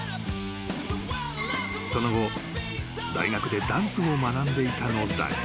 ［その後大学でダンスを学んでいたのだが］